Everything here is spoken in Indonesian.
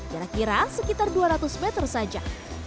kira kira sekitar dua ratus meter saja